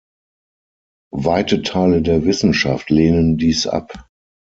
Weite Teile der Wissenschaft lehnen dies ab.